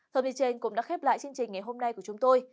thông tin trên cũng đã khép lại chương trình ngày hôm nay của chúng tôi